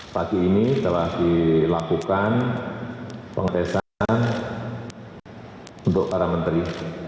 pagi ini telah dilakukan pengetesan untuk para menteri